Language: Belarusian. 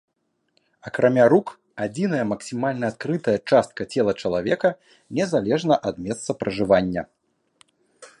Акрамя рук, адзіная максімальна адкрытая частка цела чалавека, незалежна ад месца пражывання.